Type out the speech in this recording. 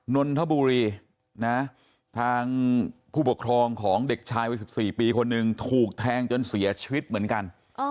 นนทบุรีนะทางผู้ปกครองของเด็กชายวัย๑๔ปีคนหนึ่งถูกแทงจนเสียชีวิตเหมือนกัน